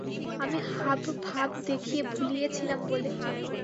আমি হাবভাব দেখিয়ে ভুলিয়েছিলাম বলে।